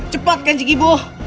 cepat kajik ibu